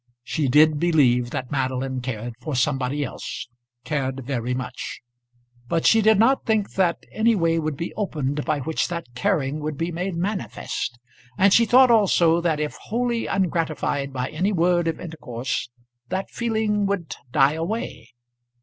She did believe that Madeline cared for somebody else, cared very much. But she did not think that any way would be opened by which that caring would be made manifest; and she thought also that if wholly ungratified by any word of intercourse that feeling would die away.